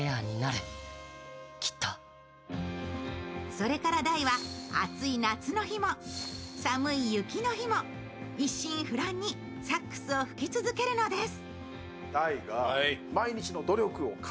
それから大は暑い夏の日も寒い雪の日も一心不乱にサックスを吹き続けるのです。